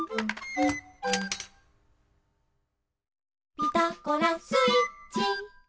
「ピタゴラスイッチ」